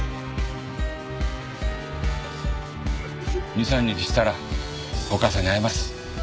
２３日したらお母さんに会えます。